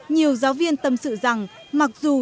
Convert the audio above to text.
nhiều giáo viên tâm sự rằng mặc dù đã phải trả một khoản